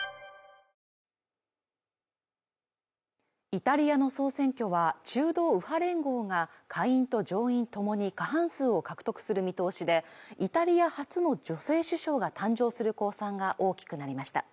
イタリアの総選挙は中道右派連合が下院と上院ともに過半数を獲得する見通しでイタリア初の女性首相が誕生する公算が大きくなりました